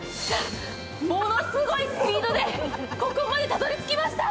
ものすごいスピードでここまでたどり着きました。